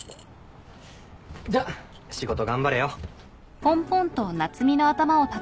じゃ仕事頑張れよ。